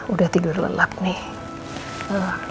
udah tidur lelak nih